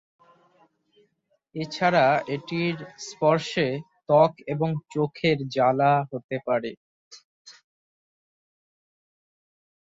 এছাড়া এটির স্পর্শে ত্বক এবং চোখ এর জ্বালা হতে পারে।